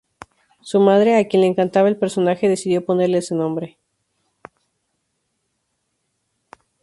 Su madre, a quien le encantaba el personaje, decidió ponerle ese nombre.